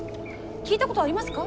聞いたことありますか？